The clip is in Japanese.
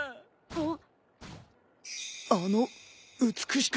あっ！